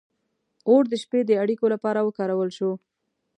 • اور د شپې د اړیکو لپاره وکارول شو.